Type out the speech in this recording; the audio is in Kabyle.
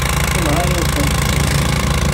Tenɣa-yakent-ten.